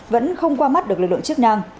vẫn không qua mắt được lực lượng chức năng